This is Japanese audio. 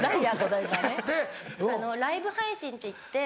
ライブ配信っていって。